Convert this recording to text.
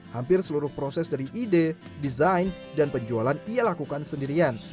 hampir seluruh proses dari ide desain dan penjualan ia lakukan sendirian